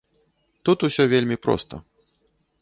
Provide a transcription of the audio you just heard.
Тут усё вельмі проста.